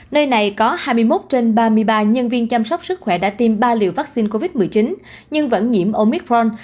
nơi này có hai mươi một trên ba mươi ba nhân viên chăm sóc sức khỏe đã tiêm ba liều vaccine covid một mươi chín nhưng vẫn nhiễm omicron